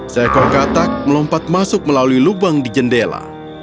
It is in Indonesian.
seekor katak melompat masuk melalui lubang di jendela